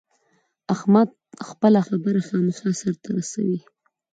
احمد خپله خبره خامخا سر ته رسوي.